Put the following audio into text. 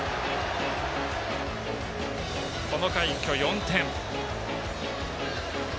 この回、一挙４点。